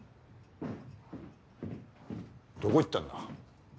どこ行ったんだ？